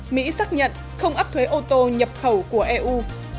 mỹ xác nhận không áp thuế ô tô nhập khẩu của eu